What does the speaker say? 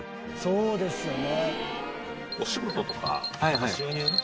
そうですよね。